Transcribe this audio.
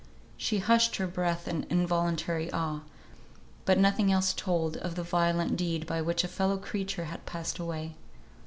She hushed her breath with involuntary awe, but nothing else told of the violent deed by which a fellow creature had passed away.